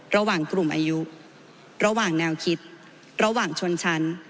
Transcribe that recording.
ระหว่างกลุ่มอายุระหว่างแนวคิดระหว่างชนชั้น